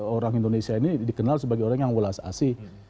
orang indonesia ini dikenal sebagai orang yang walas asi